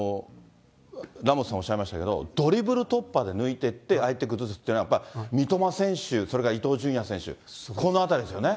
だからラモスさん、おっしゃいましたけど、ドリブル突破で抜いていって、相手を崩すっていうのは、三笘選手、それから伊東純也選手、このあたりですよね。